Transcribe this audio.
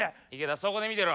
そこで見てろ。